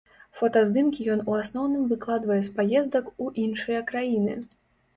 Фотаздымкі ён у асноўным выкладвае з паездак у іншыя краіны.